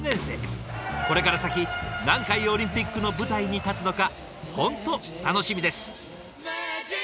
これから先何回オリンピックの舞台に立つのか本当楽しみです。